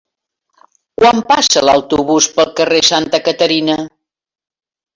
Quan passa l'autobús pel carrer Santa Caterina?